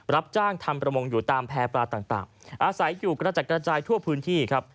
รับจ้างทำประมงอยู่ตามแพร่ปลาต่างอาศัยอยู่กระจัดกระจายทั่วพื้นที่ครับ